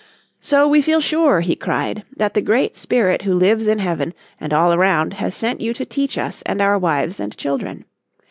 "So we feel sure," he cried, "that the Great Spirit who lives in heaven and all around has sent you to teach us and our wives and children.